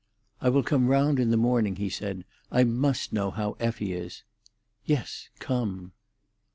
"I will come round in the morning," he said. "I must know how Effie is." "Yes; come."